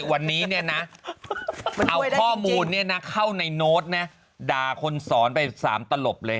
วันนี้เอาข้อมูลเข้าในโน้ตด่าคนสอนไปสามตลบเลย